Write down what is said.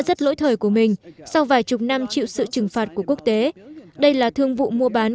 rất lỗi thời của mình sau vài chục năm chịu sự trừng phạt của quốc tế đây là thương vụ mua bán